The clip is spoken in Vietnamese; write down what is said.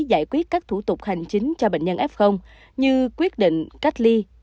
giải quyết các thủ tục hành chính cho bệnh nhân f như quyết định cách ly